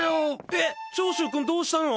えっ、長州くん、どうしたの？